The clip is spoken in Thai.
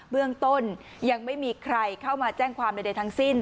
เบื้องต้นยังไม่มีใครเข้ามาแจ้งความใดทั้งสิ้น